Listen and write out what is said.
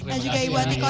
dan juga ibu atiko